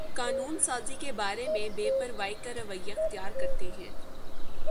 قانون سازی کے بارے میں بے پروائی کا رویہ اختیار کرتے ہیں